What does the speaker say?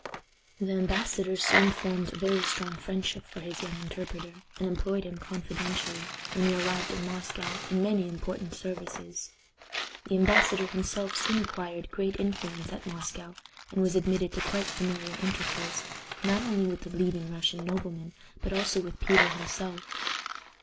The embassador soon formed a very strong friendship for his young interpreter, and employed him confidentially, when he arrived in Moscow, in many important services. The embassador himself soon acquired great influence at Moscow, and was admitted to quite familiar intercourse, not only with the leading Russian noblemen, but also with Peter himself.